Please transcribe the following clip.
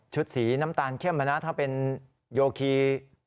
ชุดสีน้ำตาลเข้มมานะถ้าเป็นโยคี